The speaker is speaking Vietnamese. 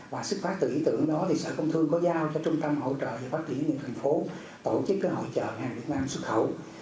và sức phát từ ý tưởng đó thì sở công thương có giao cho trung tâm hỗ trợ và phát triển những thành phố tổ chức cái hỗ trợ hàng việt nam xuất khẩu